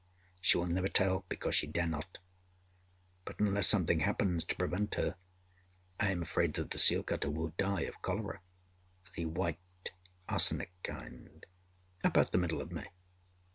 She will never tell, because she dare not; but, unless something happens to prevent her, I am afraid that the seal cutter will die of cholera the white arsenic kind about the middle of May.